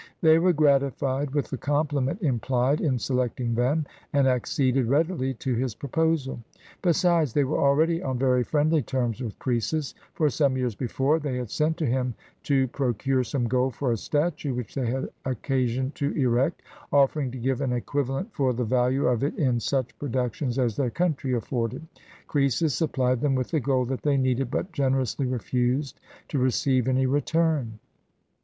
They were gratified with the compliment implied in selecting them, and acceded readily to his proposal. Besides, they were already on very friendly terms with Croesus ; for, some years before, they had sent to him to procure some gold for a statue which they had occasion to erect, offering to give an equivalent for the value of it in such productions as their country afforded. Croesus supplied them with the gold that they needed, but gen erously refused to receive any return.